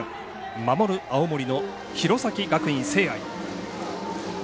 守る、青森の弘前学院聖愛。